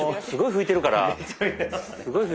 すごい拭いてるから。